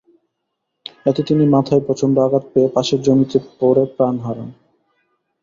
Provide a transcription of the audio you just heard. এতে তিনি মাথায় প্রচণ্ড আঘাত পেয়ে পাশের জমিতে পড়ে প্রাণ হারান।